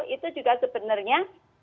itu juga sebenarnya